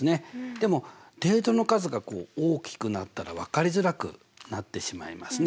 でもデータの数がこう大きくなったら分かりづらくなってしまいますね。